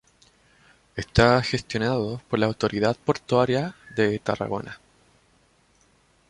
Está gestionado por la autoridad portuaria de Tarragona.